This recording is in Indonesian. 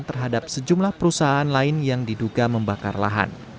terhadap sejumlah perusahaan lain yang diduga membakar lahan